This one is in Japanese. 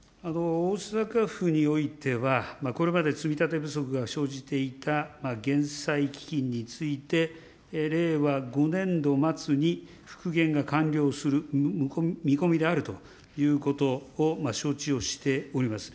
大阪府においては、これまで積み立て不足が生じていた減債基金について、令和５年度末に復元が完了する見込みであるということを承知をしております。